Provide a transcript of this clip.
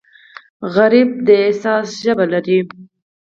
غریب د احساس ژبه لري